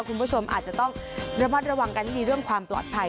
คุณผู้ชมอาจจะต้องระมัดระวังกันให้ดีเรื่องความปลอดภัย